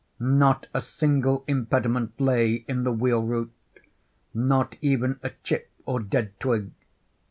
Not a single impediment lay in the wheel route—not even a chip or dead twig.